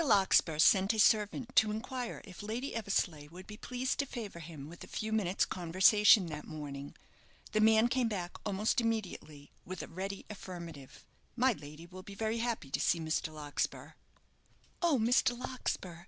Larkspur sent a servant to inquire if Lady Eversleigh would be pleased to favour him with a few minutes' conversation that morning. The man came back almost immediately with a ready affirmative. "My lady will be very happy to see Mr. Larkspur." "Oh, Mr. Larkspur!"